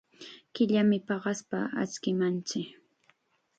Killam paqaspa achkimanchik.